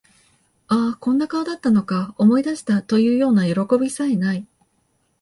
あ、こんな顔だったのか、思い出した、というようなよろこびさえ無い